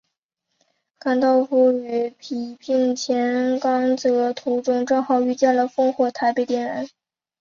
甘道夫与皮聘前往刚铎途中正好见到了烽火台被点燃。